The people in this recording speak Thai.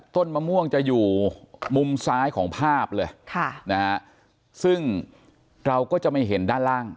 ต้นมะม่วงจะอยู่มุมซ้ายของภาพเลยค่ะนะฮะซึ่งเราก็จะไม่เห็นด้านล่าง